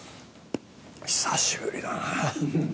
久しぶりだな。